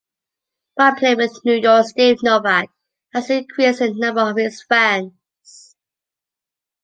By playing with New York, Steve Novak has increased the number of his fans.